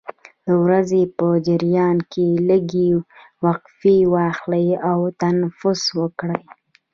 د ورځې په جریان کې لږې وقفې واخلئ او تنفس وکړئ.